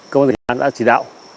công an sơn la đã chỉ đạo